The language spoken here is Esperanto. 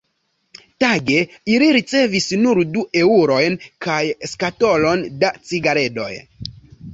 Tage ili ricevis nur du eŭrojn kaj skatolon da cigaredoj.